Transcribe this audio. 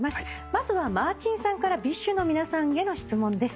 まずはマーチンさんからＢｉＳＨの皆さんへの質問です。